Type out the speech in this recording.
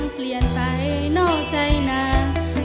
ที่บอกที่บอกใจยังไง